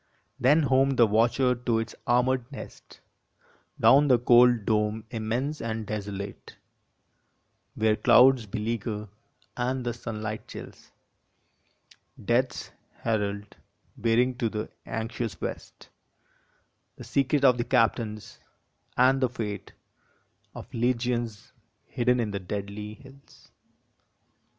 Then honied the watcher to its armored nest, Down the cold dome immense and desolate, Where clouds beleaguer and the sunlight chills Death s herald, bearing to the anxious west The secret of the captains, and the fate Of legions hidden in the deadly hills.